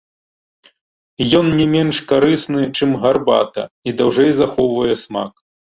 Ён не менш карысны, чым гарбата, і даўжэй захоўвае смак!